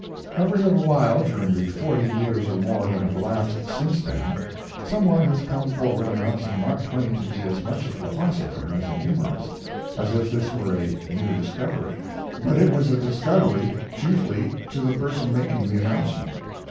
] Every little while, during the forty years or more that have elapsed since then, some one has come forward announcing Mark Twain to be as much a philosopher as a humorist, as if this were a new discovery. But it was a discovery chiefly to the person making the announcement.